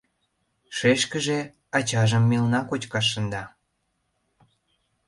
— Шешкыже ачажым мелна кочкаш шында.